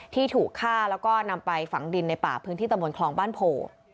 ที่ถูกฆ่าแล้วก็นำไปฝังดินในป่าพื้นที่ตะบนคลองบ้านโพ